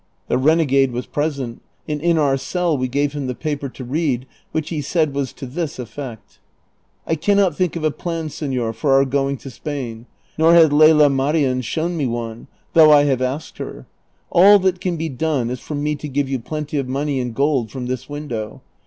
The renegade was present, and in our cell we gave him the paper to read, which he said was to this eflect :" I can not think of a plan, sehor, for our going to Spain, nor has Lela Marien shown me one, though I have asked her. All that can be done is for me to give you plenty of money in gold from this window.